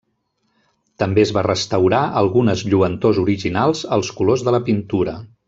També es va restaurar algunes lluentors originals als colors de la pintura.